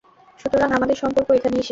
সুতরাং আমাদের সম্পর্ক এখানেই শেষ?